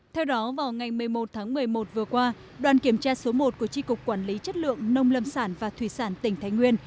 theo đó vào ngày một mươi một tháng một mươi một vừa qua đoàn kiểm tra số một của tri cục quản lý chất lượng nông lâm sản và thủy sản tỉnh thái nguyên